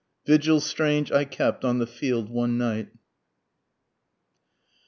VIGIL STRANGE I KEPT ON THE FIELD ONE NIGHT.